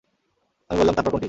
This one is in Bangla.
আমি বললাম, তারপর কোনটি?